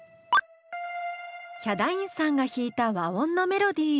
ヒャダインさんが弾いた和音のメロディー。